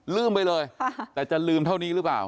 ลืมไปเลยแต่จะลืมเท่านี้หรือเปล่า